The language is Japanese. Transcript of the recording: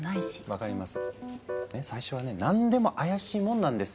分かります。